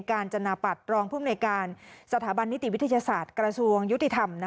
การจนาปัตย์รองภูมิในการสถาบันนิติวิทยาศาสตร์กระทรวงยุติธรรม